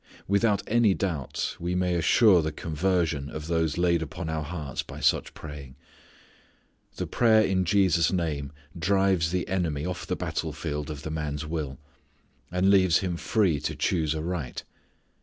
Without any doubt we may assure the conversion of these laid upon our hearts by such praying. The prayer in Jesus' name drives the enemy off the battle field of the man's will, and leaves him free to choose aright.